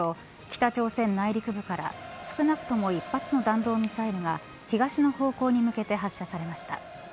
北朝鮮内陸部から少なくとも１発の弾道ミサイルが東の方向に向けて発射されました。